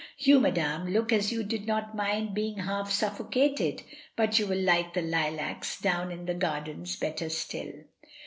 You, madame, look as if you did not mind being half suffocated; but you will like the lilacs down in the gardens better still."